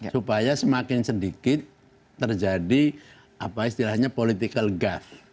supaya semakin sedikit terjadi apa istilahnya political gav